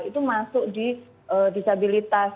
itu masuk di disabilitas